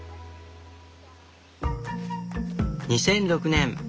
２００６年。